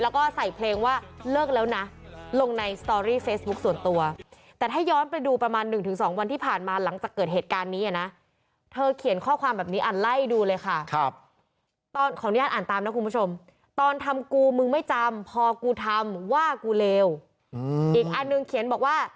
ก็เพราะว่าไม่อยากให้คลิงเครียดเกินไปค่ะ